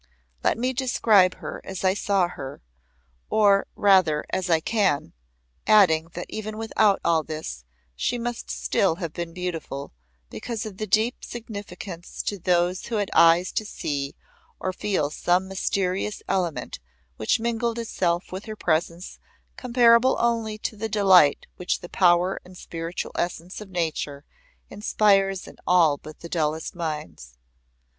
Let me describe her as I saw her or, rather, as I can, adding that even without all this she must still have been beautiful because of the deep significance to those who had eyes to see or feel some mysterious element which mingled itself with her presence comparable only to the delight which the power and spiritual essence of Nature inspires in all but the dullest minds.